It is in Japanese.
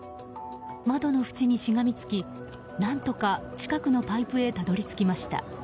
窓の縁にしがみつき、何とか近くのパイプへたどり着きました。